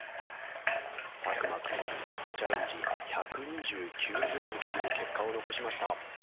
作間君がビッグチャレンジ１２９グラムという結果を残しました。